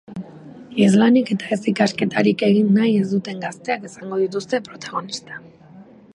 Ez lanik eta ez ikasketarik egin nahi ez duten gazteak izango dituzte protagonista.